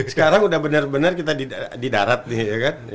sekarang udah bener bener kita di darat nih